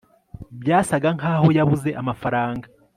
byasaga nkaho yabuze amafaranga